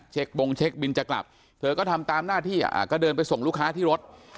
บงเช็คบินจะกลับเธอก็ทำตามหน้าที่ก็เดินไปส่งลูกค้าที่รถ